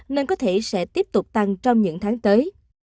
nên có thể sẽ tiếp tục tăng trong những tháng tới